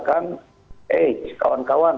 eh kawan kawan anggota jangan mengatakan